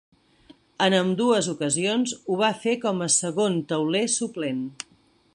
En ambdues ocasions ho va fer com a segon tauler suplent.